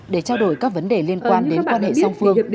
để trao đổi các vấn đề liên quan đến quan hệ song phương